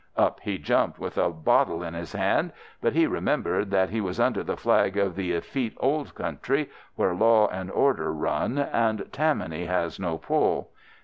"Up he jumped with a bottle in his hand, but he remembered that he was under the flag of the effete Old Country, where law and order run, and Tammany has no pull.